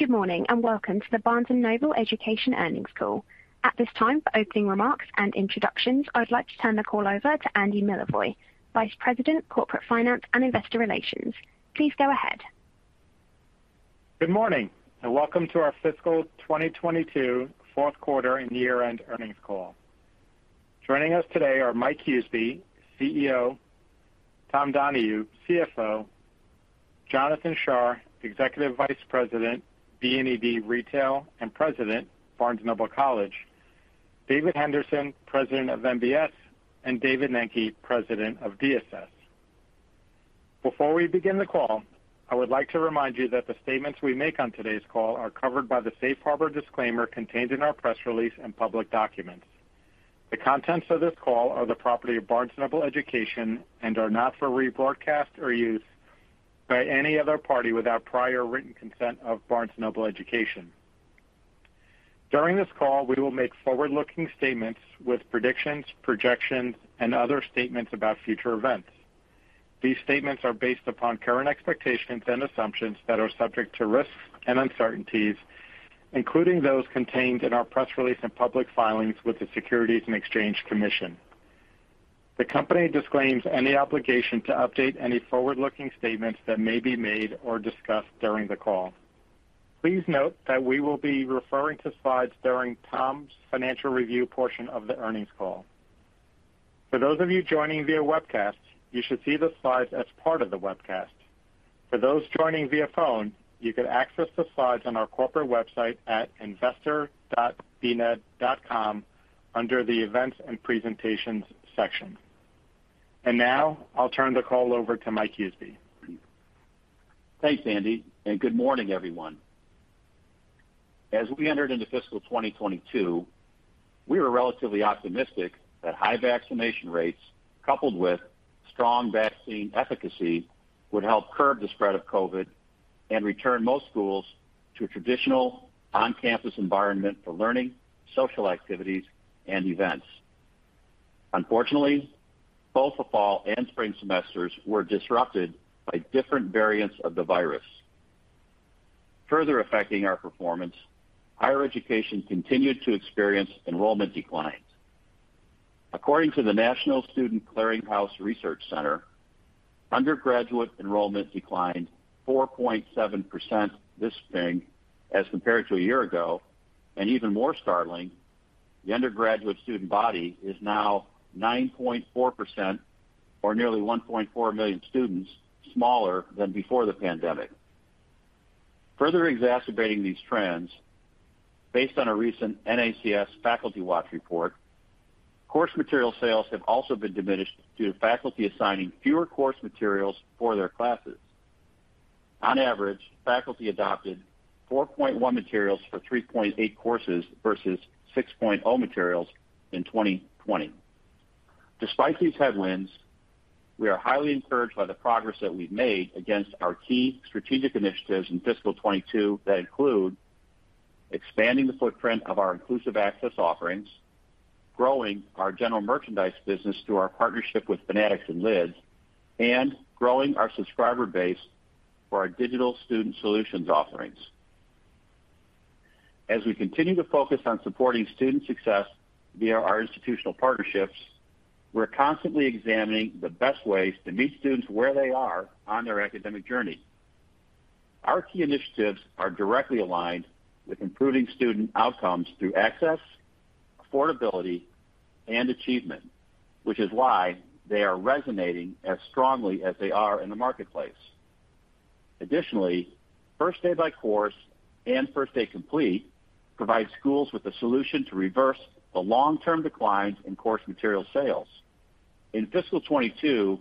Good morning, and welcome to the Barnes & Noble Education Earnings Call. At this time, for opening remarks and introductions, I would like to turn the call over to Andy Milevoj, Vice President, Corporate Finance and Investor Relations. Please go ahead. Good morning, and Welcome to our Fiscal 2022 Fourth Quarter and Year-End Earnings Call. Joining us today are Mike Huseby, CEO, Tom Donohue, CFO, Jonathan Shar, Executive Vice President, BNED Retail, and President, Barnes & Noble College, David Henderson, President of MBS, and David Nenke, President of DSS. Before we begin the call, I would like to remind you that the statements we make on today's call are covered by the safe harbor disclaimer contained in our press release and public documents. The contents of this call are the property of Barnes & Noble Education and are not for rebroadcast or use by any other party without prior written consent of Barnes & Noble Education. During this call, we will make forward-looking statements with predictions, projections, and other statements about future events. These statements are based upon current expectations and assumptions that are subject to risks and uncertainties, including those contained in our press release and public filings with the Securities and Exchange Commission. The company disclaims any obligation to update any Forward-Looking Statements that may be made or discussed during the call. Please note that we will be referring to slides during Tom's financial review portion of the earnings call. For those of you joining via webcast, you should see the slides as part of the webcast. For those joining via phone, you can access the slides on our corporate website at investor.bned.com under the Events and Presentations section. Now, I'll turn the call over to Mike Huseby. Thanks, Andy, and good morning, everyone. As we entered into fiscal 2022, we were relatively optimistic that high vaccination rates coupled with strong vaccine efficacy would help curb the spread of COVID and return most schools to a traditional On-Campus environment for learning, social activities, and events. Unfortunately, both the fall and Spring Semesters were disrupted by different variants of the virus. Further affecting our performance, higher education continued to experience enrollment declines. According to the National Student Clearinghouse Research Center, Undergraduate Enrollment declined 4.7% this Spring as compared to a year ago, and even more startling, the Undergraduate Student body is now 9.4% or nearly 1.4 million students smaller than before the pandemic. Further exacerbating these trends, based on a recent NACS Faculty Watch report, Course Material Sales have also been diminished due to faculty assigning fewer course materials for their classes. On average, faculty adopted 4.1 materials for 3.8 courses versus 6.0 materials in 2020. Despite these headwinds, we are highly encouraged by the progress that we've made against our key strategic initiatives in fiscal 2022 that include expanding the footprint of our Inclusive Access offerings, growing our General Merchandise business through our partnership with Fanatics and Lids, and growing our subscriber base for our Digital Student Solutions offerings. As we continue to focus on supporting student success via our institutional partnerships, we're constantly examining the best ways to meet students where they are on their academic journey. Our key initiatives are directly aligned with improving student outcomes through access, affordability, and achievement, which is why they are resonating as strongly as they are in the marketplace. Additionally, First Day by Course and First Day Complete provide schools with a solution to reverse the long-term declines in Course Material Sales. In fiscal 2022,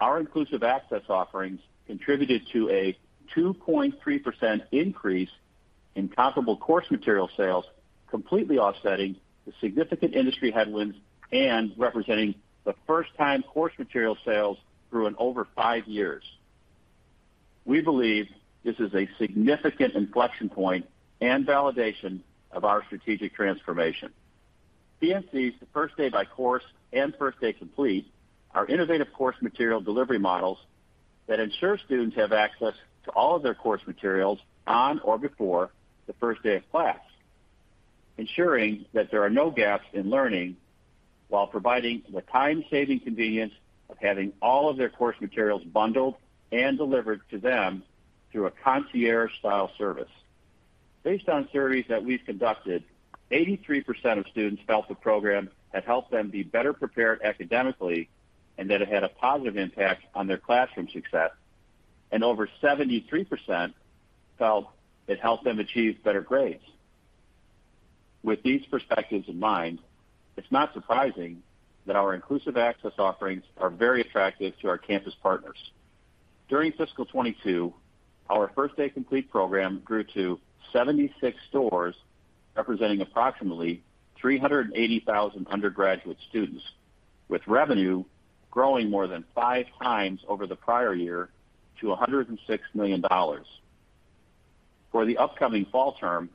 our Inclusive Access offerings contributed to a 2.3% increase in comparable Course Material Sales, completely offsetting the significant industry headwinds and representing the first time Course Material Sales grew in over five years. We believe this is a significant inflection point and validation of our strategic transformation. BNC’s First Day by Course and First Day Complete are innovative course material delivery models that ensure students have access to all of their course materials on or before the first day of class, ensuring that there are no gaps in learning while providing the time saving convenience of having all of their course materials bundled and delivered to them through a concierge style service. Based on surveys that we've conducted, 83% of students felt the program had helped them be better prepared academically and that it had a positive impact on their classroom success. Over 73% felt it helped them achieve better grades. With these perspectives in mind, it's not surprising that our Inclusive Access offerings are very attractive to our campus partners. During fiscal 2022, our First Day Complete program grew to 76 stores, representing approximately 380,000 Undergraduate Students, with revenue growing more than 5x over the prior year to $106 million. For the upcoming Fall Term,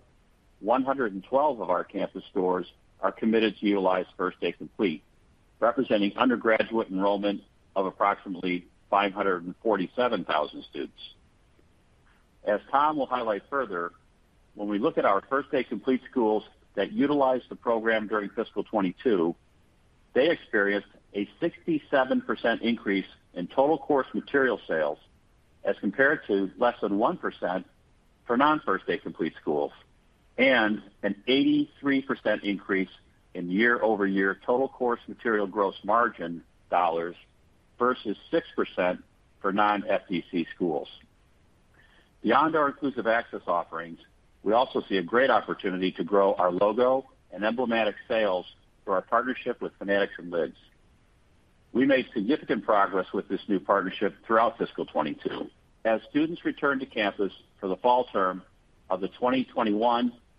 112 of our campus stores are committed to utilize First Day Complete, representing Undergraduate Enrollment of approximately 547,000 students. As Tom will highlight further, when we look at our First Day Complete schools that utilized the program during fiscal 2022, they experienced a 67% increase in total Course Material Sales as compared to less than 1% for non-First Day Complete schools, and an 83% increase in year-over-year total course material gross margin dollars versus 6% for non-FDC schools. Beyond our Inclusive Access offerings, we also see a great opportunity to grow our logo and emblematic sales through our partnership with Fanatics and Lids. We made significant progress with this new partnership throughout fiscal 2022. As students returned to campus for the Fall Term of the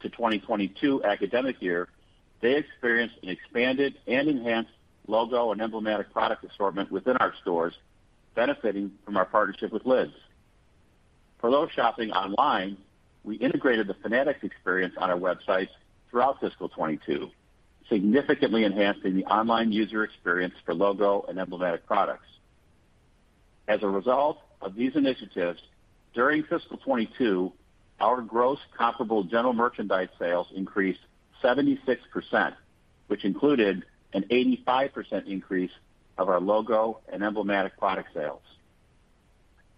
2021-2022 academic year, they experienced an expanded and enhanced logo and emblematic product assortment within our stores benefiting from our partnership with Lids. For those shopping online, we integrated the Fanatics experience on our websites throughout fiscal 2022, significantly enhancing the online user experience for logo and emblematic products. As a result of these initiatives, during fiscal 2022, our gross comparable General Merchandise sales increased 76%, which included an 85% increase of our logo and emblematic product sales.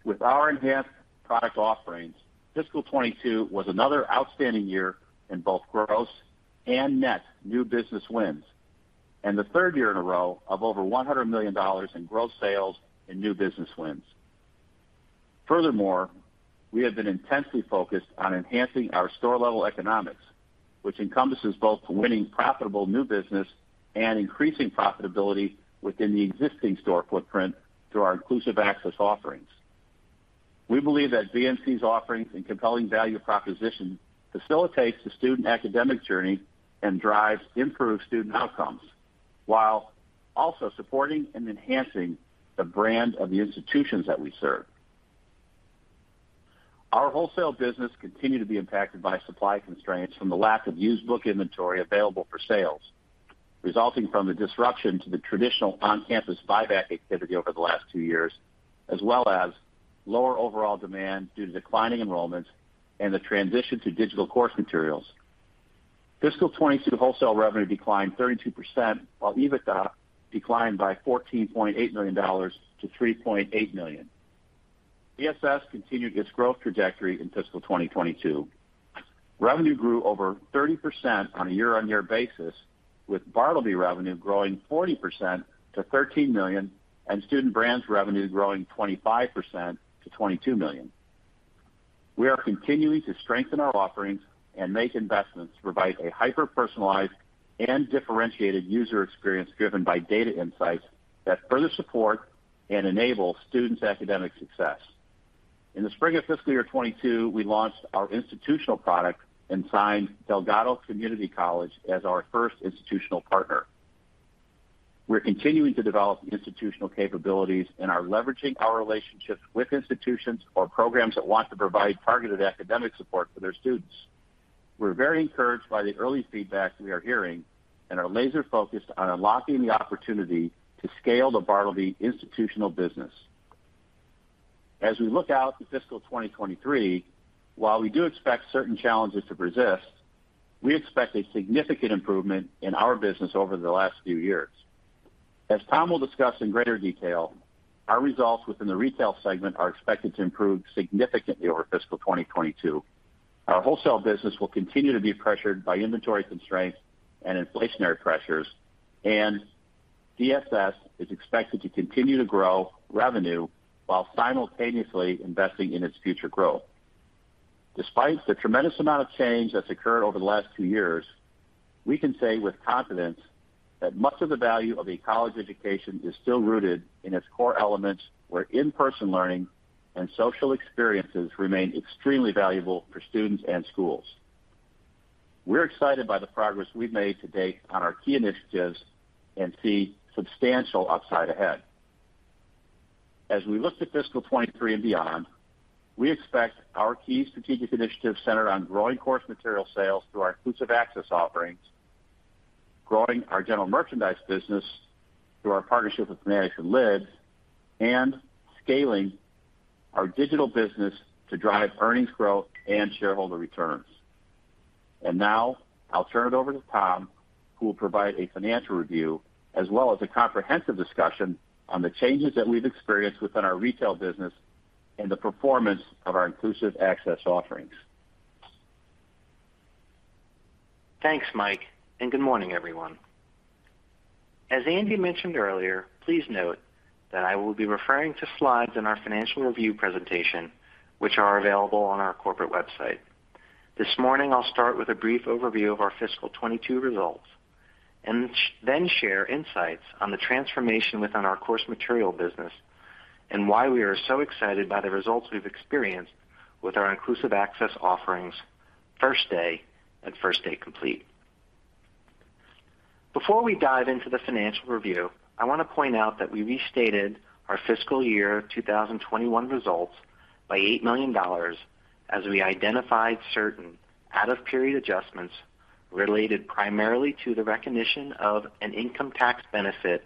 With our enhanced product offerings, fiscal 2022 was another outstanding year in both gross and net new business wins, and the third year in a row of over $100 million in gross sales and new business wins. Furthermore, we have been intensely focused on enhancing our store level economics, which encompasses both winning profitable new business and increasing profitability within the existing store footprint through our Inclusive Access offerings. We believe that BNC's offerings and compelling value proposition facilitates the student academic journey and drives improved student outcomes while also supporting and enhancing the brand of the institutions that we serve. Our wholesale business continued to be impacted by supply constraints from the lack of Used Book Inventory available for sales, resulting from the disruption to the traditional On-Campus buyback activity over the last two years, as well as lower overall demand due to declining enrollments and the transition to Digital Course Materials. Fiscal 2022 wholesale revenue declined 32%, while EBITDA declined by $14.8 million to 3.8 million. DSS continued its growth trajectory in fiscal 2022. Revenue grew over 30% on a year-on-year basis, with bartleby revenue growing 40% to $13 million, and Student Brands revenue growing 25% to $22 million. We are continuing to strengthen our offerings and make investments to provide a hyper-personalized and differentiated user experience driven by data insights that further support and enable students' academic success. In the Spring of fiscal year 2022, we launched our institutional product and signed Delgado Community College as our first institutional partner. We're continuing to develop institutional capabilities and are leveraging our relationships with institutions or programs that want to provide targeted academic support for their students. We're very encouraged by the early feedback we are hearing and are laser-focused on unlocking the opportunity to scale the bartleby institutional business. As we look out to fiscal 2023, while we do expect certain challenges to persist, we expect a significant improvement in our business over the last few years. As Tom will discuss in greater detail, our results within the Retail Segment are expected to improve significantly over fiscal 2022. Our wholesale business will continue to be pressured by inventory constraints and inflationary pressures, and DSS is expected to continue to grow revenue while simultaneously investing in its future growth. Despite the tremendous amount of change that's occurred over the last two years, we can say with confidence that much of the value of a college education is still rooted in its core elements where in-person learning and social experiences remain extremely valuable for students and schools. We're excited by the progress we've made to date on our key initiatives and see substantial upside ahead. As we look to fiscal 2023 and beyond, we expect our key strategic initiatives centered on growing Course Material Sales through our Inclusive Access offerings, growing our General Merchandise business through our partnership with Fanatics and Lids, and scaling our digital business to drive earnings growth and shareholder returns. Now I'll turn it over to Tom, who will provide a financial review as well as a comprehensive discussion on the changes that we've experienced within our retail business and the performance of our Inclusive Access offerings. Thanks, Mike, and good morning, everyone. As Andy mentioned earlier, please note that I will be referring to slides in our financial review presentation, which are available on our corporate website. This morning, I'll start with a brief overview of our fiscal 2022 results and then share insights on the transformation within our course material business and why we are so excited by the results we've experienced with our Inclusive Access offerings, First Day and First Day Complete. Before we dive into the financial review, I wanna point out that we restated our fiscal year 2021 results by $8 million as we identified certain out of period adjustments related primarily to the recognition of an income tax benefit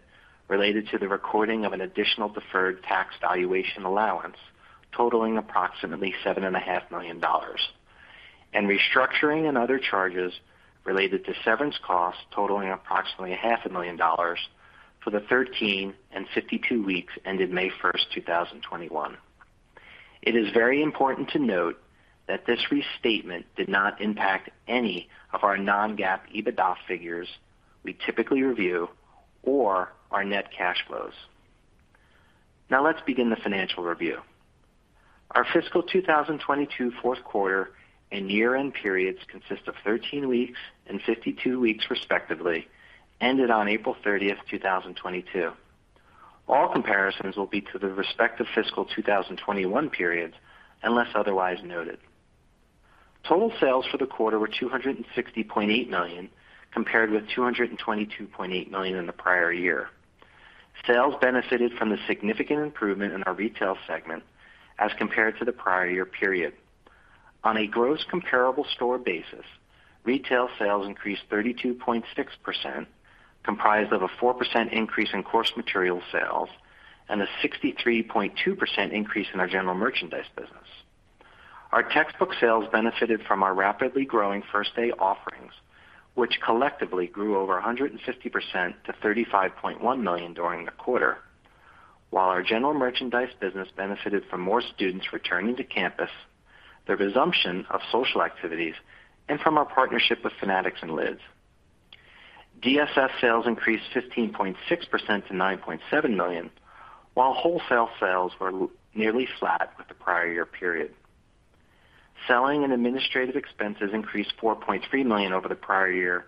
related to the recording of an additional deferred tax valuation allowance totaling approximately $7.5 million, and restructuring and other charges related to severance costs totaling approximately $0.5 million for the 13 and 52 weeks ended May 1st, 2021. It is very important to note that this restatement did not impact any of our non-GAAP EBITDA figures we typically review or our net cash flows. Now let's begin the financial review. Our fiscal 2022 fourth quarter and year-end periods consist of 13 weeks and 52 weeks respectively, ended on April 30th, 2022. All comparisons will be to the respective fiscal 2021 periods unless otherwise noted. Total sales for the quarter were $260.8 million, compared with $222.8 million in the prior year. Sales benefited from the significant improvement in our Retail Segment as compared to the prior year period. On a gross comparable store basis, retail sales increased 32.6%, comprised of a 4% increase in course materials sales and a 63.2% increase in our General Merchandise business. Our textbook sales benefited from our rapidly growing First Day offerings, which collectively grew over 150% to $35.1 million during the quarter, while our General Merchandise business benefited from more students returning to campus, the resumption of social activities, and from our partnership with Fanatics and Lids. DSS sales increased 15.6% to $9.7 million, while wholesale sales were nearly flat with the prior year period. Selling and administrative expenses increased $4.3 million over the prior year,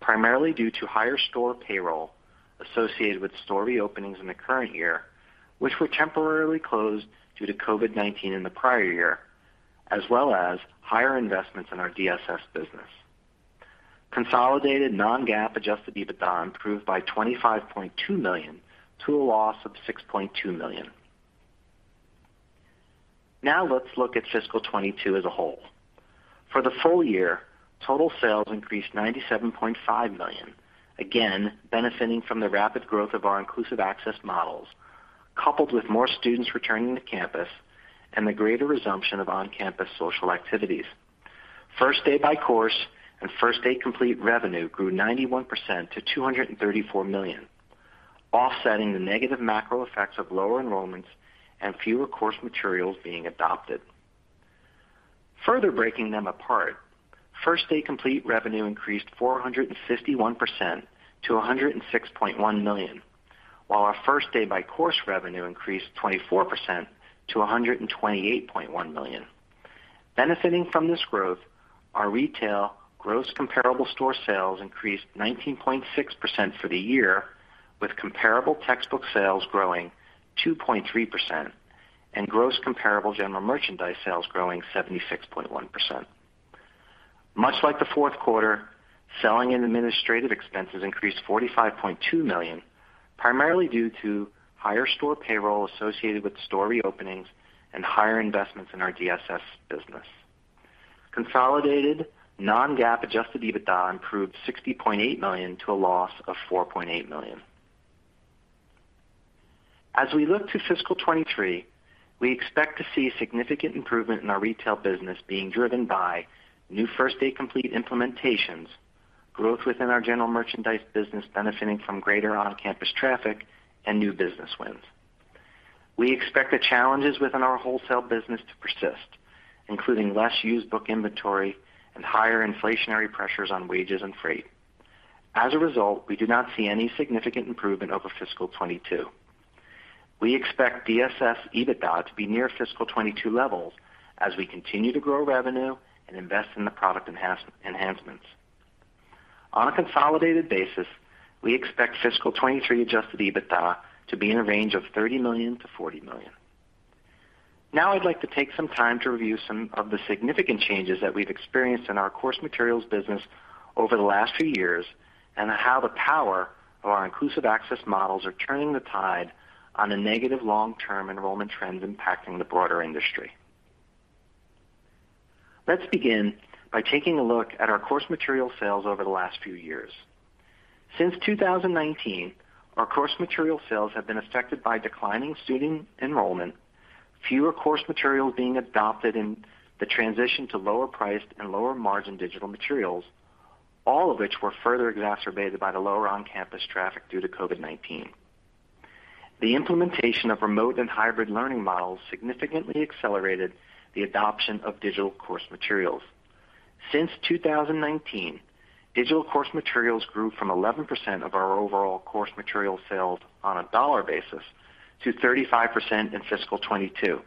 primarily due to higher store payroll associated with store reopenings in the current year, which were temporarily closed due to COVID-19 in the prior year, as well as higher investments in our DSS business. Consolidated non-GAAP adjusted EBITDA improved by $25.2 million to a loss of $6.2 million. Now let's look at fiscal 2022 as a whole. For the full year, total sales increased $97.5 million, again, benefiting from the rapid growth of our Inclusive Access Models, coupled with more students returning to campus and the greater resumption of On-Campus social activities. First Day by Course and First Day Complete revenue grew 91% to $234 million, offsetting the negative macro effects of lower enrollments and fewer course materials being adopted. Further breaking them apart, First Day Complete revenue increased 451% to $106.1 million, while our First Day by Course revenue increased 24% to $128.1 million. Benefiting from this growth, our Retail Gross Comparable Store Sales increased 19.6% for the year, with comparable textbook sales growing 2.3% and gross comparable General Merchandise sales growing 76.1%. Much like the fourth quarter, selling and administrative expenses increased $45.2 million, primarily due to higher store payroll associated with store reopenings and higher investments in our DSS business. Consolidated non-GAAP adjusted EBITDA improved $60.8 million to a loss of $4.8 million. As we look to fiscal 2023, we expect to see significant improvement in our retail business being driven by new First Day Complete implementations, growth within our General Merchandise business benefiting from greater On-Campus traffic and new business wins. We expect the challenges within our wholesale business to persist, including less Used Book Inventory and Higher Inflationary Pressures on wages and freight. As a result, we do not see any significant improvement over fiscal 2022. We expect DSS EBITDA to be near fiscal 2022 levels as we continue to grow revenue and invest in the product enhancements. On a consolidated basis, we expect fiscal 2023 adjusted EBITDA to be in a range of $30 million-40 million. Now I'd like to take some time to review some of the significant changes that we've experienced in our course materials business over the last few years, and how the power of our Inclusive Access Models are turning the tide on the negative long-term enrollment trends impacting the broader industry. Let's begin by taking a look at our course materials sales over the last few years. Since 2019, our course materials sales have been affected by declining student enrollment, fewer course materials being adopted, and the transition to lower priced and lower margin digital materials, all of which were further exacerbated by the lower On-Campus traffic due to COVID-19. The implementation of remote and hybrid learning models significantly accelerated the adoption of Digital Course Materials. Since 2019, Digital Course Materials grew from 11% of our overall course materials sales on a dollar basis to 35% in fiscal 2022.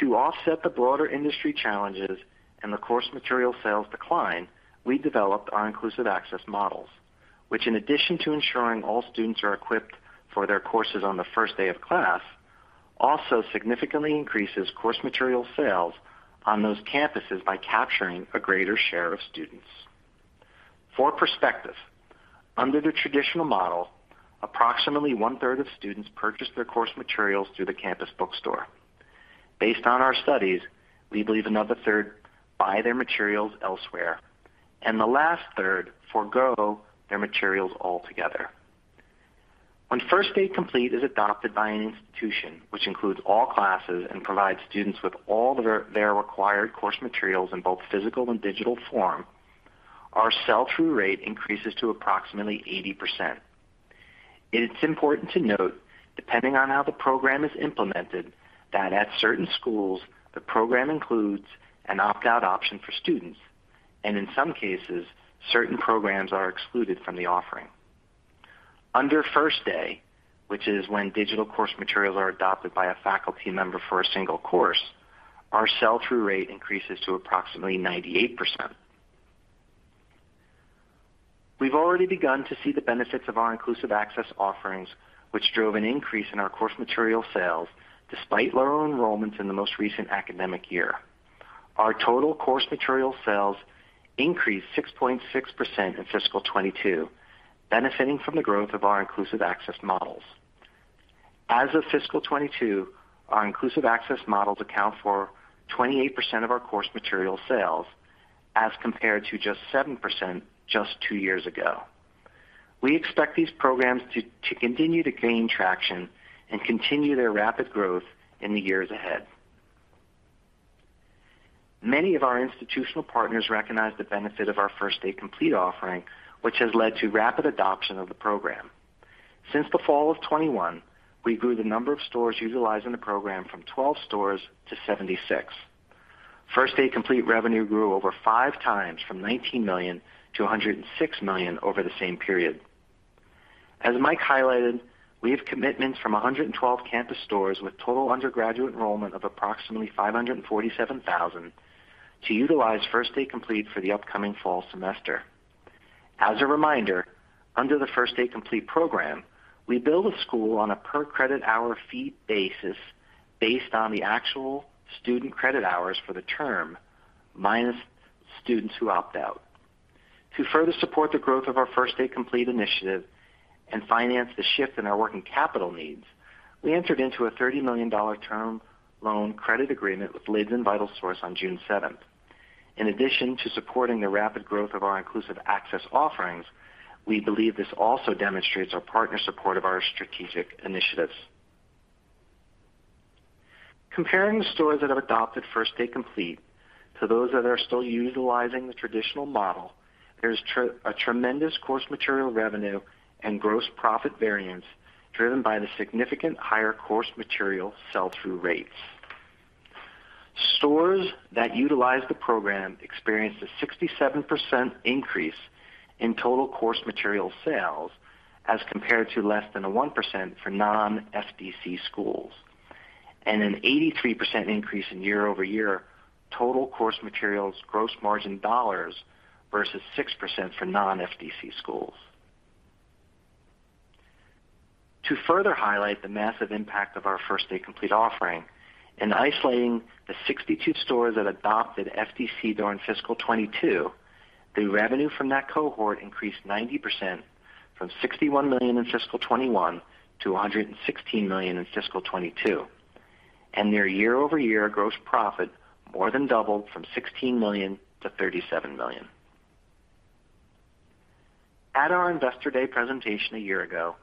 To offset the broader industry challenges and the course materials sales decline, we developed our Inclusive Access Models, which in addition to ensuring all students are equipped for their courses on the first day of class. Also significantly increases Course Material Sales on those campuses by capturing a greater share of students. For perspective, under the traditional model, approximately 1/3 of students purchase their course materials through the campus bookstore. Based on our studies, we believe another 1/3 buy their materials elsewhere, and the last 1/3 forego their materials altogether. When First Day Complete is adopted by an institution, which includes all classes and provides students with all their required course materials in both physical and digital form, our sell-through rate increases to approximately 80%. It's important to note, depending on how the program is implemented, that at certain schools, the program includes an opt-out option for students, and in some cases, certain programs are excluded from the offering. Under First Day, which is when Digital Course Materials are adopted by a faculty member for a single course, our sell-through rate increases to approximately 98%. We've already begun to see the benefits of our Inclusive Access offerings, which drove an increase in our Course Material Sales despite lower enrollments in the most recent academic year. Our total Course Material Sales increased 6.6% in fiscal 2022, benefiting from the growth of our Inclusive Access Models. As of fiscal 2022, our Inclusive Access Models account for 28% of our Course Material Sales as compared to just 7% just two years ago. We expect these programs to continue to gain traction and continue their rapid growth in the years ahead. Many of our institutional partners recognize the benefit of our First Day Complete offering, which has led to rapid adoption of the program. Since the fall of 2021, we grew the number of stores utilizing the program from 12 stores to 76. First Day Complete revenue grew over five times from $19 million to 106 million over the same period. As Mike highlighted, we have commitments from 112 campus stores with total Undergraduate Enrollment of approximately 547,000 to utilize First Day Complete for the upcoming fall semester. As a reminder, under the First Day Complete program, we bill a school on a per credit hour fee basis based on the actual student credit hours for the term, minus students who opt out. To further support the growth of our First Day Complete initiative and finance the shift in our working capital needs, we entered into a $30 million term loan Credit Agreement with Lids and VitalSource on June 7th. In addition to supporting the rapid growth of our Inclusive Access offerings, we believe this also demonstrates our partner support of our strategic initiatives. Comparing the stores that have adopted First Day Complete to those that are still utilizing the traditional model, there's a tremendous course material revenue and gross profit variance driven by the significant higher course material sell-through rates. Stores that utilize the program experienced a 67% increase in total Course Material Sales as compared to less than a 1% for non-FDC schools, and an 83% increase in year-over-year total course materials gross margin dollars versus 6% for non-FDC schools. To further highlight the massive impact of our First Day Complete offering, in isolating the 62 stores that adopted FDC during fiscal 2022, the revenue from that cohort increased 90% from $61 million in fiscal 2021 to 116 million in fiscal 2022. Their year-over-year gross profit more than doubled from $16 million to 37 million. At our Investor Day presentation a year ago,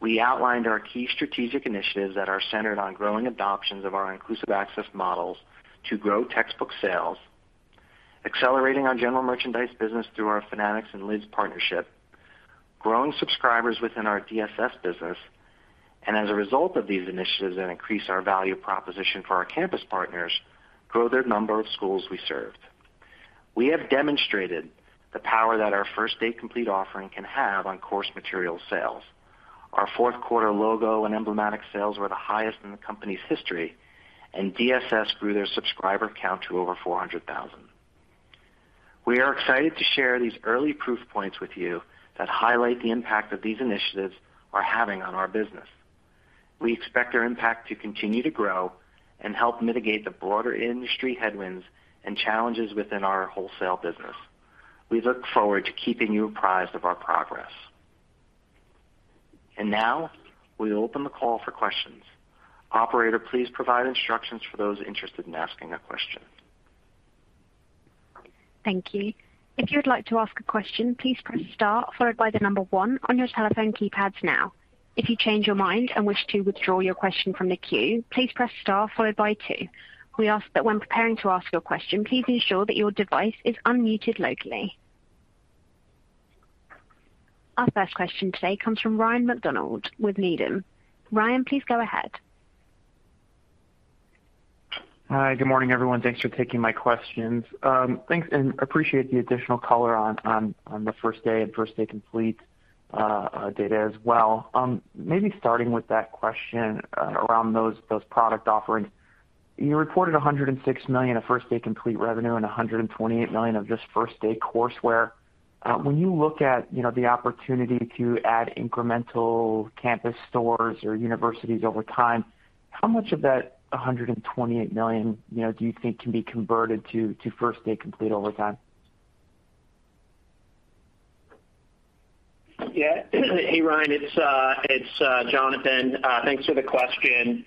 we outlined our key strategic initiatives that are centered on growing adoptions of our Inclusive Access Models to grow textbook sales, accelerating our General Merchandise business through our Fanatics and Lids partnership, growing subscribers within our DSS business, and as a result of these initiatives and increase our value proposition for our campus partners, grow the number of schools we served. We have demonstrated the power that our First Day Complete offering can have on Course Material Sales. Our fourth quarter digital and embedded sales were the highest in the company's history, and DSS grew their subscriber count to over 400,000. We are excited to share these early proof points with you that highlight the impact that these initiatives are having on our business. We expect their impact to continue to grow and help mitigate the broader industry headwinds and challenges within our wholesale business. We look forward to keeping you apprised of our progress. Now, we open the call for questions. Operator, please provide instructions for those interested in asking a question. Thank you. If you would like to ask a question, please press star followed by the number one on your telephone keypads now. If you change your mind and wish to withdraw your question from the queue, please press star followed by two. We ask that when preparing to ask your question, please ensure that your device is unmuted locally. Our first question today comes from Ryan MacDonald with Needham. Ryan, please go ahead. Hi. Good morning, everyone. Thanks for taking my questions. Thanks and appreciate the additional color on the First Day and First Day Complete data as well. Maybe starting with that question around those product offerings. You reported $106 million of First Day Complete revenue and $128 million of just First Day courseware. When you look at, you know, the opportunity to add incremental campus stores or universities over time, how much of that $128 million, you know, do you think can be converted to First Day Complete over time? Yeah. Hey, Ryan, it's Jonathan. Thanks for the question.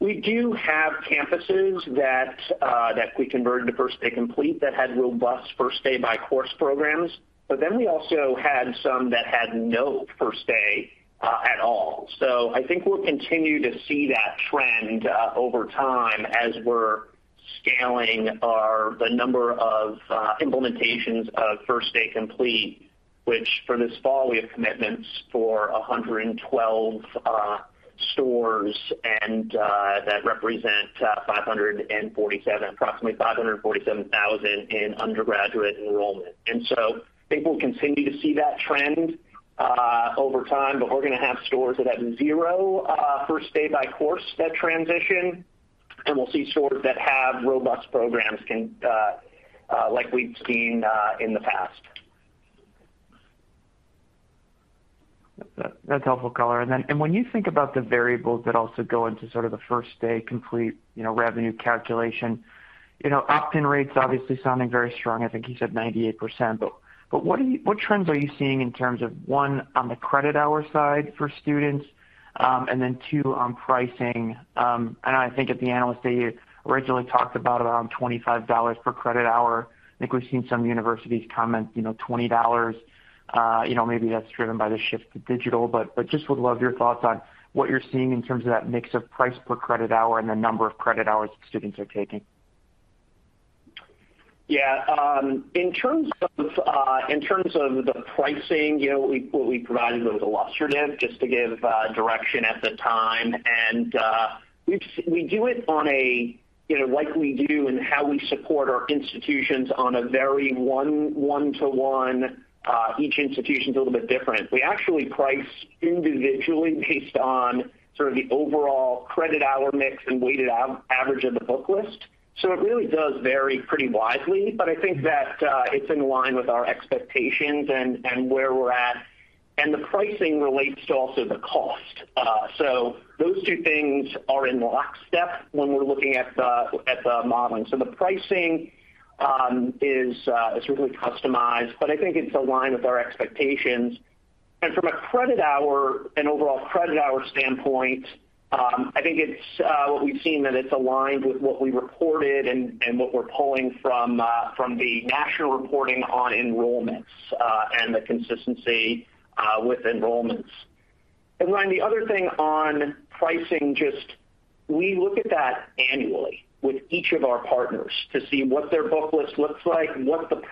We do have campuses that we converted to First Day Complete that had robust First Day by Course programs. We also had some that had no First Day at all. I think we'll continue to see that trend over time as we're scaling the number of implementations of First Day Complete, which for this fall, we have commitments for 112 stores and that represent approximately 547,000 in Undergraduate Enrollment. I think we'll continue to see that trend over time, but we're gonna have stores that have zero First Day by Course that transition, and we'll see stores that have robust programs can like we've seen in the past. That's helpful color. When you think about the variables that also go into sort of the First Day Complete, you know, revenue calculation, you know, opt-in rates obviously sounding very strong. I think you said 98%. What trends are you seeing in terms of, one, on the credit hour side for students, and then two, on pricing? I think at the analyst day, you originally talked about around $25 per credit hour. I think we've seen some universities comment, you know, $20. You know, maybe that's driven by the shift to digital. Just would love your thoughts on what you're seeing in terms of that mix of price per credit hour and the number of credit hours students are taking? Yeah. In terms of the pricing, you know, what we provided was illustrative just to give direction at the time. We do it on a, you know, like we do and how we support our institutions on a very one to one, each institution's a little bit different. We actually price individually based on sort of the overall credit hour mix and weighted average of the book list. It really does vary pretty widely, but I think that it's in line with our expectations and where we're at. The pricing relates to also the cost. Those two things are in lockstep when we're looking at the modeling. The pricing is really customized, but I think it's in line with our expectations. From a credit hour and overall credit hour standpoint, I think it's what we've seen that it's aligned with what we reported and what we're pulling from the national reporting on enrollments and the consistency with enrollments. Ryan, the other thing on pricing, just we look at that annually with each of our partners to see what their book list looks like, what the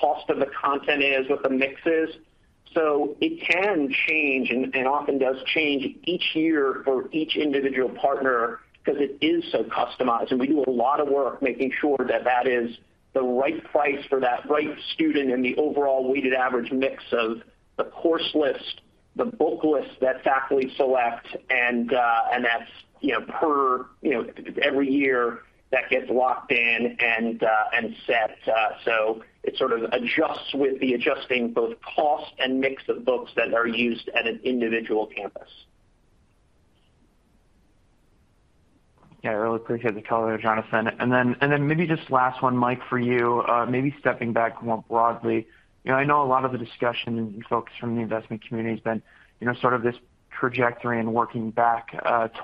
cost of the content is, what the mix is. It can change and often does change each year for each individual partner because it is so customized. We do a lot of work making sure that that is the right price for that right student and the overall weighted average mix of the course list, the book list that faculty select, and that's, you know, per, you know, every year that gets locked in and set. It sort of adjusts with the adjusting both cost and mix of books that are used at an individual campus. Yeah, I really appreciate the color, Jonathan. Then maybe just last one, Mike, for you. Maybe stepping back more broadly. You know, I know a lot of the discussion and focus from the investment community has been, you know, sort of this trajectory and working back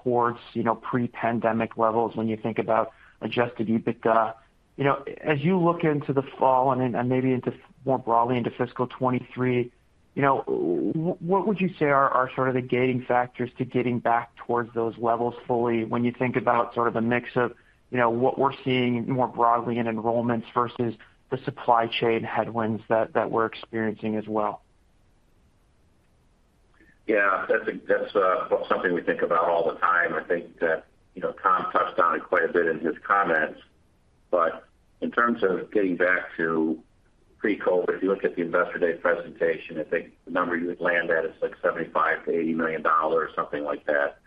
towards, you know, pre-pandemic levels when you think about adjusted EBITDA. You know, as you look into the fall and then maybe more broadly into fiscal 2023, you know, what would you say are sort of the gating factors to getting back towards those levels fully when you think about sort of the mix of, you know, what we're seeing more broadly in enrollments versus the supply chain headwinds that we're experiencing as well? Yeah. That's something we think about all the time. I think that, you know, Tom touched on it quite a bit in his comments. In terms of getting back to pre-COVID, if you look at the Investor Day presentation, I think the number you would land at is like $75 million-80 million, something like that.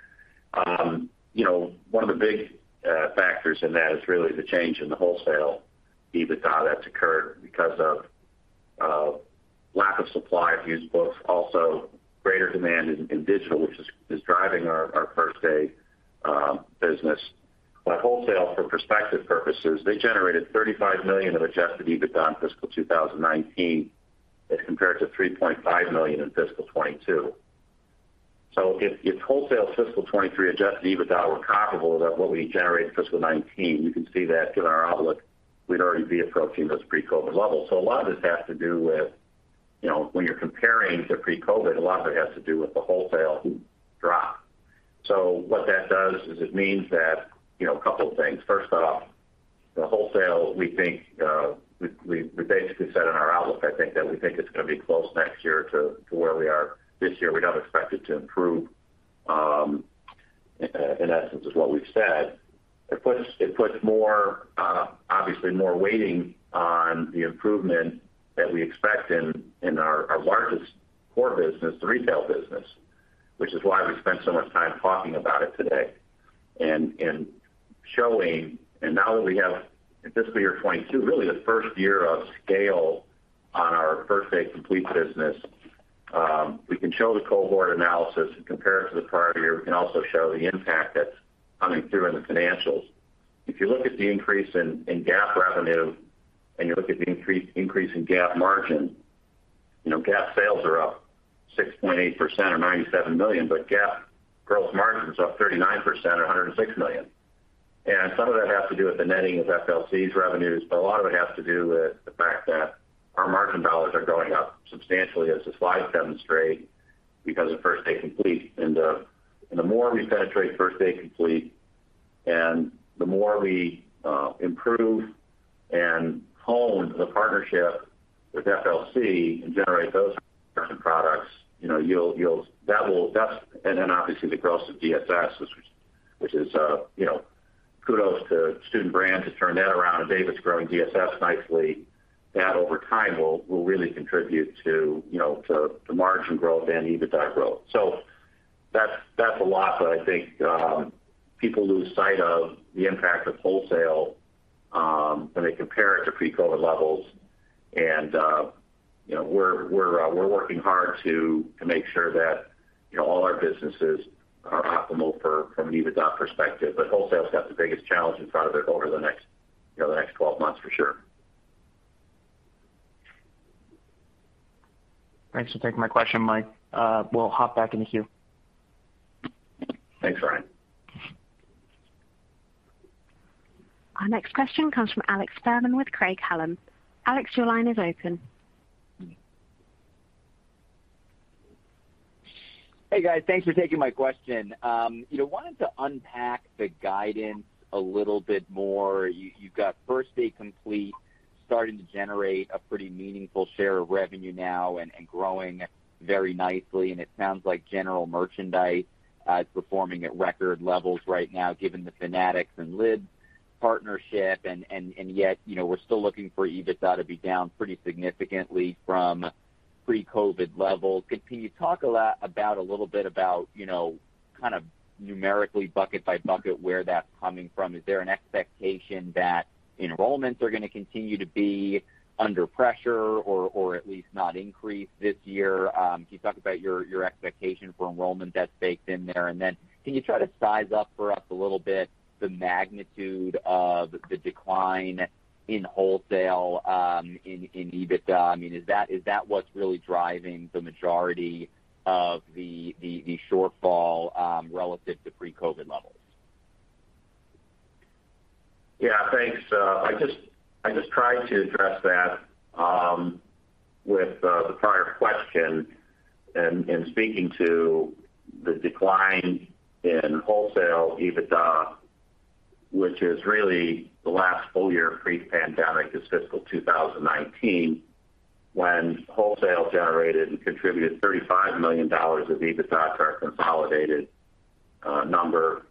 You know, one of the big factors in that is really the change in the wholesale EBITDA that's occurred because of lack of supply of used books, also greater demand in digital, which is driving our First Day business. Wholesale, for perspective purposes, they generated $35 million of adjusted EBITDA in fiscal 2019 as compared to $3.5 million in fiscal 2022. If wholesale fiscal 2023 adjusted EBITDA were comparable to what we generated fiscal 2019, you can see that in our outlook, we'd already be approaching those pre-COVID levels. A lot of this has to do with, you know, when you're comparing to pre-COVID, a lot of it has to do with the wholesale drop. What that does is it means that, you know, a couple of things. First off, the wholesale, we think, we basically said in our outlook, I think, that we think it's gonna be close next year to where we are this year. We don't expect it to improve. In essence is what we've said. It puts more, obviously more weighting on the improvement that we expect in our largest core business, the retail business, which is why we spent so much time talking about it today and showing. Now that we have fiscal year 2022, really the first year of scale on our First Day Complete business, we can show the cohort analysis and compare it to the prior year. We can also show the impact that's coming through in the financials. If you look at the increase in GAAP revenue and you look at the increase in GAAP margin, you know, GAAP sales are up 6.8% or $97 million but GAAP gross margin is up 39% or $106 million. Some of that has to do with the netting of FDC's revenues, but a lot of it has to do with the fact that our margin dollars are going up substantially as the slides demonstrate because of First Day Complete. The more we penetrate First Day Complete and the more we improve and hone the partnership with FDC and generate those certain products, you know, that will. That's. Then obviously the growth of DSS which is, you know, kudos to Student Brands to turn that around and David's growing DSS nicely. That over time will really contribute to, you know, to the margin growth and EBITDA growth. That's a lot but I think people lose sight of the impact of wholesale when they compare it to pre-COVID levels. You know, we're working hard to make sure that, you know, all our businesses are optimal from an EBITDA perspective. Wholesale's got the biggest challenge in front of it over the next, you know, the next 12 months for sure. Thanks for taking my question, Mike. We'll hop back in the queue. Thanks, Ryan. Our next question comes from Alex Fuhrman with Craig-Hallum. Alex, your line is open. Hey guys. Thanks for taking my question. You know, wanted to unpack the guidance a little bit more. You've got First Day Complete starting to generate a pretty meaningful share of revenue now and growing very nicely, and it sounds like General Merchandise is performing at record levels right now given the Fanatics and Lids partnership. Yet, you know, we're still looking for EBITDA to be down pretty significantly from pre-COVID levels. Could you talk a little bit about, you know, kind of numerically bucket by bucket where that's coming from? Is there an expectation that enrollments are gonna continue to be under pressure or at least not increase this year? Can you talk about your expectation for enrollment that's baked in there? Can you try to size up for us a little bit the magnitude of the decline in wholesale in EBITDA? I mean, is that what's really driving the majority of the shortfall relative to pre-COVID levels? Yeah, thanks. I just tried to address that with the prior question and speaking to the decline in wholesale EBITDA, which is really the last full year pre-pandemic, fiscal 2019, when wholesale generated and contributed $35 million of EBITDA to our consolidated number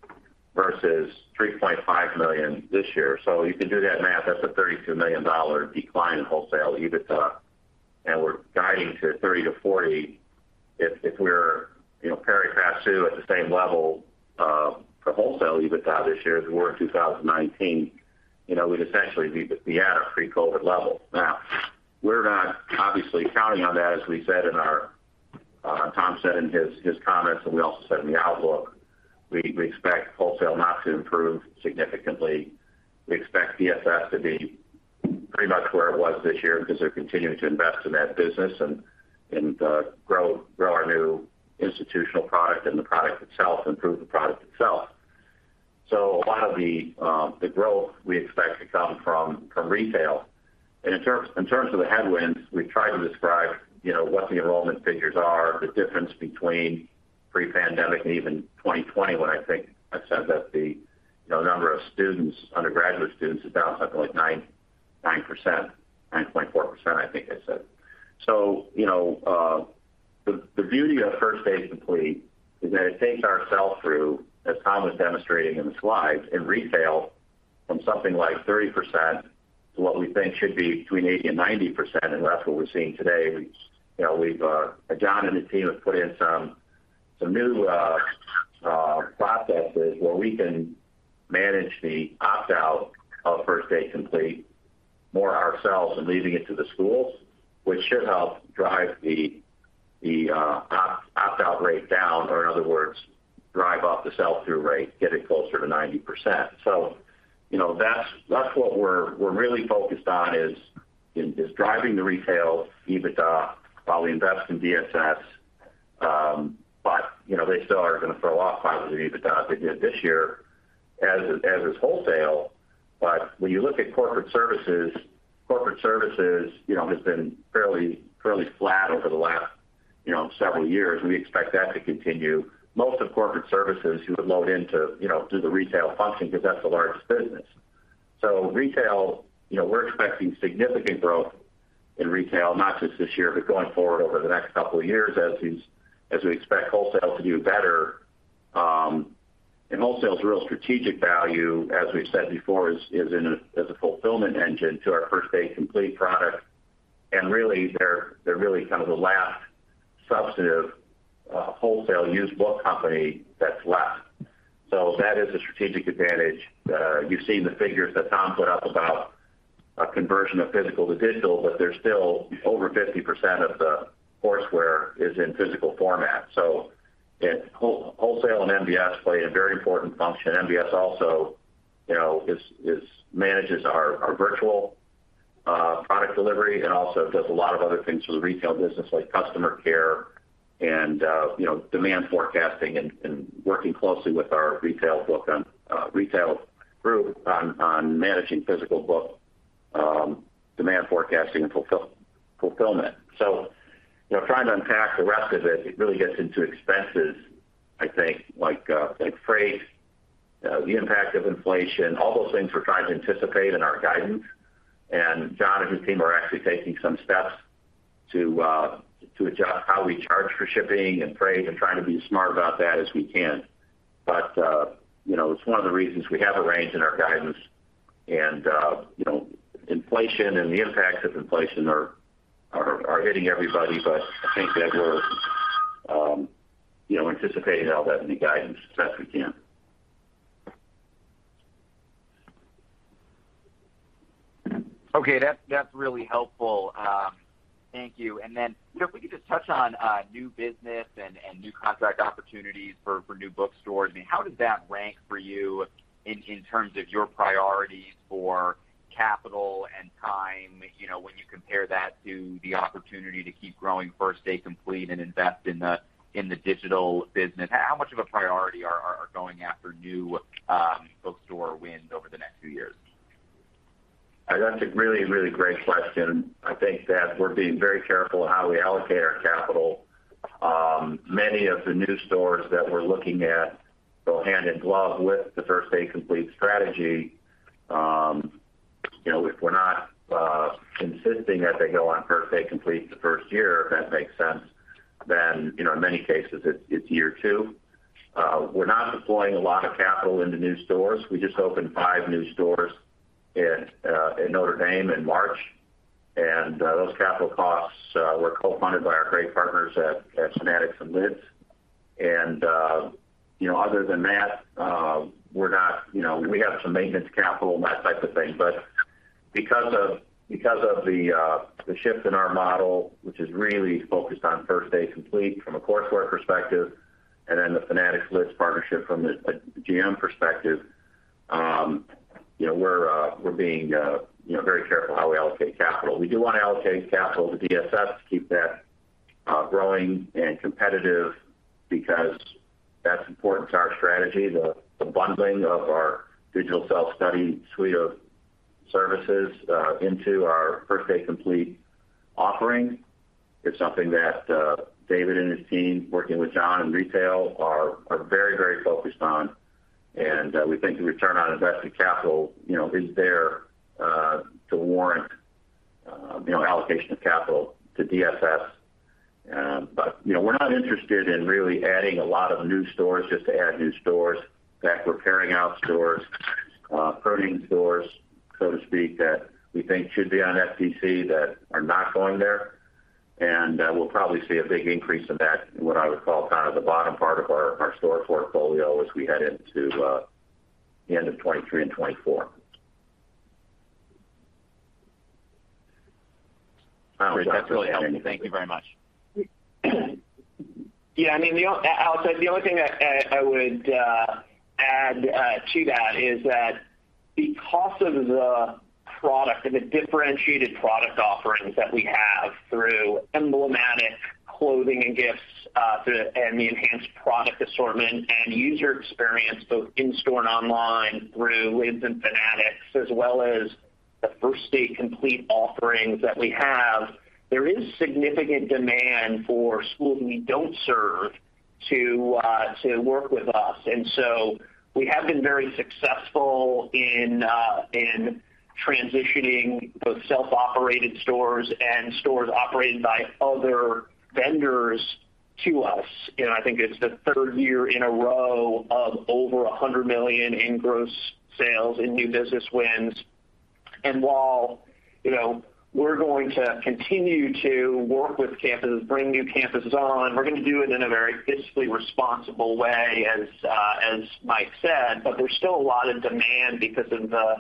versus $3.5 million this year. So you can do that math. That's a $32 million dollar decline in wholesale EBITDA, and we're guiding to $30 million-40 million if we're, you know, pari passu at the same level for wholesale EBITDA this year as we were in 2019. You know, we'd essentially be at our pre-COVID level. Now, we're not obviously counting on that as we said in our, Tom said in his comments and we also said in the outlook, we expect wholesale not to improve significantly. We expect DSS to be pretty much where it was this year because they're continuing to invest in that business and grow our new institutional product and the product itself, improve the product itself. A lot of the growth we expect to come from retail. In terms of the headwinds, we've tried to describe, you know, what the enrollment figures are, the difference between pre-pandemic and even 2020 when I think I said that the, you know, number of students, Undergraduate Students is down something like 9%, 9.4% I think I said. You know, the beauty of First Day Complete is that it takes our sell-through, as Tom was demonstrating in the slides, in retail from something like 30% to what we think should be between 80% and 90%, and that's what we're seeing today. We've, you know, we've John and his team have put in some new processes where we can manage the opt-out of First Day Complete more ourselves than leaving it to the schools, which should help drive the opt-out rate down, or in other words, drive up the sell-through rate, get it closer to 90%. You know, that's what we're really focused on is driving the retail EBITDA while we invest in DSS. You know, they still are gonna throw off positive EBITDA as they did this year, as is wholesale. When you look at Corporate Services, you know, has been fairly flat over the last, you know, several years, and we expect that to continue. Most of Corporate Services you would load into, you know, through the retail function because that's the largest business. Retail, you know, we're expecting significant growth in retail, not just this year, but going forward over the next couple of years as we expect wholesale to do better. Wholesale's real strategic value, as we've said before, is as a fulfillment engine to our First Day Complete product. Really, they're really kind of the last substantive wholesale used book company that's left. That is a strategic advantage. You've seen the figures that Tom put up about a conversion of physical to digital, but there's still over 50% of the courseware is in physical format. Wholesale and MBS play a very important function. MBS also, you know, manages our virtual product delivery and also does a lot of other things for the retail business like customer care and demand forecasting and working closely with our retail group on managing physical book demand forecasting and fulfillment. Trying to unpack the rest of it really gets into expenses, I think like freight, the impact of inflation, all those things we're trying to anticipate in our guidance. Jonathan Shar and his team are actually taking some steps to adjust how we charge for shipping and freight and trying to be as smart about that as we can. You know, it's one of the reasons we have a range in our guidance and, you know, inflation and the impacts of inflation are hitting everybody. I think that we're, you know, anticipating all that in the guidance as best we can. Okay. That's really helpful. Thank you. You know, if we could just touch on new business and new contract opportunities for new bookstores. I mean, how does that rank for you in terms of your priorities for capital and time, you know, when you compare that to the opportunity to keep growing First Day Complete and invest in the digital business, how much of a priority are going after new bookstore wins over the next few years? That's a really, really great question. I think that we're being very careful how we allocate our capital. Many of the new stores that we're looking at go hand in glove with the First Day Complete strategy. You know, if we're not insisting that they go on First Day Complete the first year, if that makes sense, then, you know, in many cases it's year two. We're not deploying a lot of capital into new stores. We just opened five new stores in Notre Dame in March, and those capital costs were co-funded by our great partners at Fanatics and Lids. You know, other than that, we're not, you know, we have some maintenance capital and that type of thing, but because of the shift in our model, which is really focused on First Day Complete from a coursework perspective, and then the Fanatics Lids partnership from the GM perspective, you know, we're being very careful how we allocate capital. We do wanna allocate capital to DSS to keep that growing and competitive because that's important to our strategy. The bundling of our digital self-study suite of services into our First Day Complete offering is something that David and his team, working with John in retail, are very focused on. We think the return on invested capital, you know, is there to warrant, you know, allocation of capital to DSS. We're not interested in really adding a lot of new stores just to add new stores. In fact we're paring out stores, pruning stores, so to speak, that we think should be on FDC that are not going there. We'll probably see a big increase in that in what I would call kind of the bottom part of our store portfolio as we head into the end of 2023 and 2024. That's really helpful. Thank you very much. Yeah, I mean, Alex, the only thing I would add to that is that because of the product and the differentiated product offerings that we have through emblematic clothing and gifts, and the enhanced product assortment and user experience both in-store and online through Lids and Fanatics, as well as the First Day Complete offerings that we have, there is significant demand for schools we don't serve to work with us. We have been very successful in transitioning both self-operated stores and stores operated by other vendors to us. You know, I think it's the third year in a row of over $100 million in gross sales in new business wins. While, you know, we're going to continue to work with campuses, bring new campuses on, we're gonna do it in a very fiscally responsible way, as Mike said. There's still a lot of demand because of the,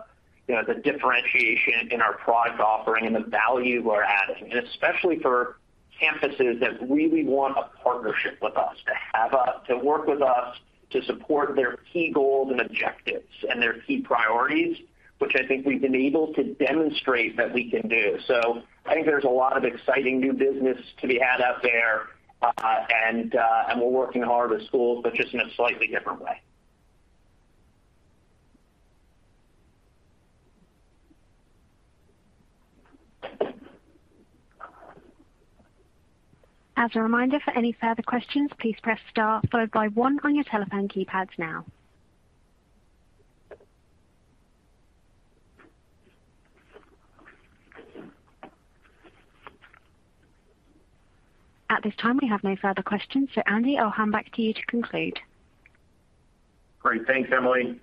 you know, the differentiation in our product offering and the value we're adding, and especially for campuses that really want a partnership with us to work with us to support their key goals and objectives and their key priorities, which I think we've been able to demonstrate that we can do. I think there's a lot of exciting new business to be had out there. And we're working hard with schools, but just in a slightly different way. As a reminder, for any further questions, please press star followed by one on your telephone keypads now. At this time, we have no further questions, so Andy, I'll hand back to you to conclude. Great. Thanks, Emily.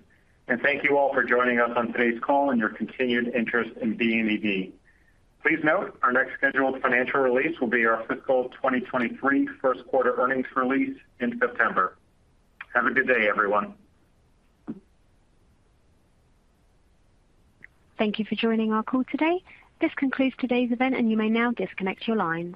Thank you all for joining us on today's call and your continued interest in BNED. Please note our next scheduled financial release will be our fiscal 2023 first quarter earnings release in September. Have a good day, everyone. Thank you for joining our call today. This concludes today's event, and you may now disconnect your lines.